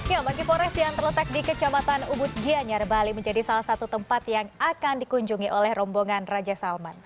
ya mandi forest yang terletak di kecamatan ubud gianyar bali menjadi salah satu tempat yang akan dikunjungi oleh rombongan raja salman